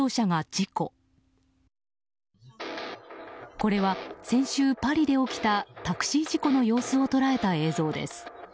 これは先週パリで起きたタクシー事故の様子を捉えた映像です。